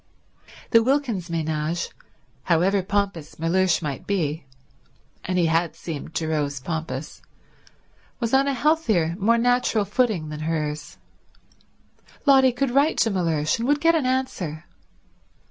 The Wilkins ménage, however pompous Mellersh might be, and he had seemed to Rose pompous, was on a healthier, more natural footing than hers. Lotty could write to Mellersh and would get an answer.